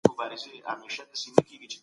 که استاد مشوره ورکړي نو ستونزه نه غټېږي.